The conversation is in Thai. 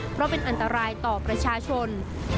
เพราะเป็นอันตรายต่อประชาชน